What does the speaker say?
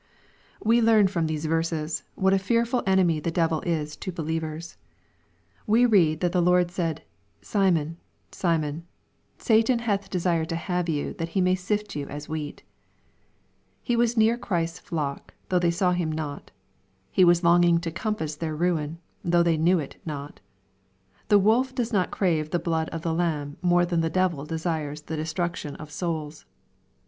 We learn, from these verses, whaJt a fearful entmy the devil ia to believers We read that "the Lord said, Simon, Simon, Satan hath desired to have you, that he may sift you as wheat." He was near Christ's flock, though they saw him not. He was longing to compass their ruin, thou<<h thev knew it not. The wolf does not crave the blood of the lamb more than the devil desires the de struction of souls.